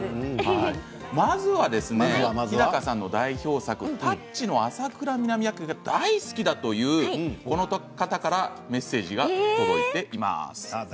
まずは日高さんの代表作「タッチ」の浅倉南役が大好きだという、この方からメッセージが届いています。